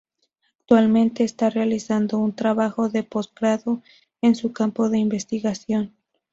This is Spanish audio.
Actualmente está realizando un trabajo de posgrado en su campo de investigación.